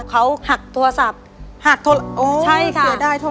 โอ้โฮเสียดายโทรศัพท์อีกนะครับใช่ค่ะ